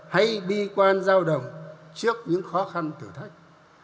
hay bi quan giao động trước những khó khăn thử thách